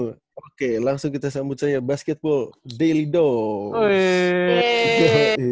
oke langsung kita sambut saja basketball daily dose